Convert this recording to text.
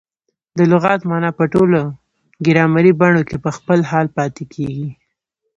د لغت مانا په ټولو ګرامري بڼو کښي په خپل حال پاته کیږي.